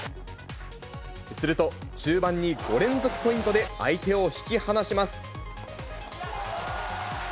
すると、中盤に５連続ポイントで相手を引き離します。